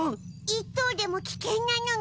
１頭でも危険なのに。